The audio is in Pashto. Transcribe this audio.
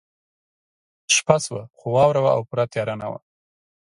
شپه شوه خو واوره وه او پوره تیاره نه وه